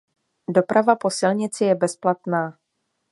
Doprava po silnici je bezplatná.